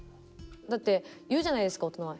だって言うじゃないですか大人は。